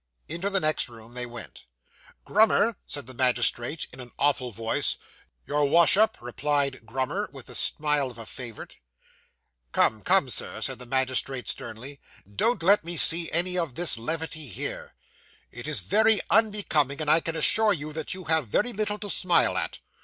Into the next room they went. 'Grummer,' said the magistrate, in an awful voice. 'Your Wash up,' replied Grummer, with the smile of a favourite. 'Come, come, Sir,' said the magistrate sternly, 'don't let me see any of this levity here. It is very unbecoming, and I can assure you that you have very little to smile at.